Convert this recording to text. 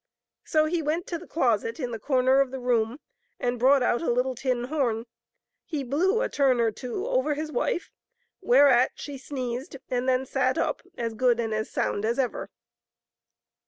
So he went to the closet in the corner of the room, and brought out a little tin horn. He blew a turn or two over his wife, whereat she sneezed, and then sat up as good and as sound as ever.